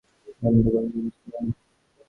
এর কারণেই তোমাদের সম্পর্কে গণ্ডগোল লেগেছিল, হাহ?